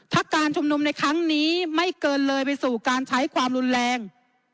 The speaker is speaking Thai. ถ้าการชุมนุมในครั้งนี้ไม่เกินเลยไปสู่การใช้ความรุนแรง